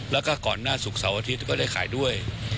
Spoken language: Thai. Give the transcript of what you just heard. แล้วก็ก่อนหน้าศุกร์เสาร์อาทิตย์ก็ได้ขายด้วย